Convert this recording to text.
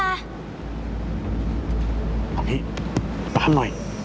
เอาอย่างนี้ป้าคำหน่อย